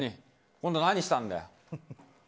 今度は何したんだよ？